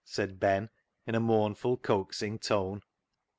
" said Ben, in a mournful, coaxing tone.